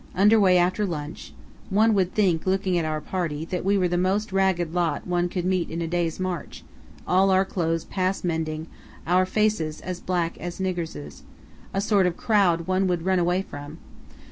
Under way after lunch. One would think, looking at our party, that we were the most ragged lot one could meet in a day's march; all our clothes past mending, our faces as black as niggers'—a sort of crowd one would run away from.